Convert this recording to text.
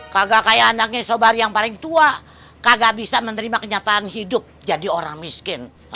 kagak kayak anaknya sobari yang paling tua kagak bisa menerima kenyataan hidup jadi orang miskin